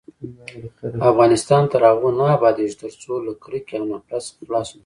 افغانستان تر هغو نه ابادیږي، ترڅو له کرکې او نفرت څخه خلاص نشو.